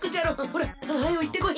ほらはよいってこい！